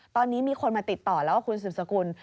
ตอนนี้มีคนมาติดต่อแล้วคุณสืบสกุล